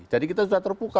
jadi kita sudah terbuka